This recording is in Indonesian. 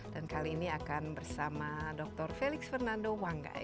dan kali ini akan bersama dr felix fernando wanggai